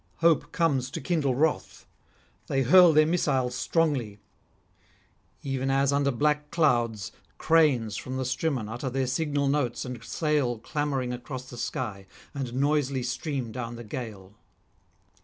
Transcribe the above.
Hope comes to kindle wrath; they hurl their missiles strongly; even as under black clouds cranes from the Strymon utter their signal notes and sail clamouring across the sky, and noisily stream down the gale.